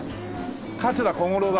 桂小五郎だ。